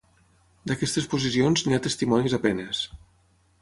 D'aquestes posicions n'hi ha testimonis a penes.